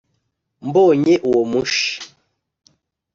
Mbonye uwo mushi